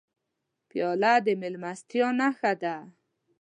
پیاله د میلمستیا نښه ده.